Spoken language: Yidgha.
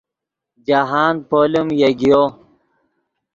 جاہند پولیم یگیو